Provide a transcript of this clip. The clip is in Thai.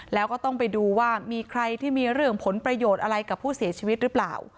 แล้วก็ต้องไปดูว่ามีใครที่มีเรื่องผลประโยชน์อะไรกับผู้เสียชีวิตหรือเปล่า